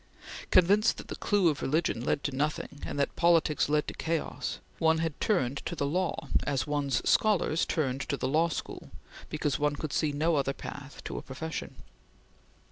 Convinced that the clue of religion led to nothing, and that politics led to chaos, one had turned to the law, as one's scholars turned to the Law School, because one could see no other path to a profession.